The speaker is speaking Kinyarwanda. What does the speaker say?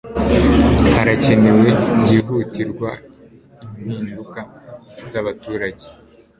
harakenewe byihutirwa impinduka zabaturage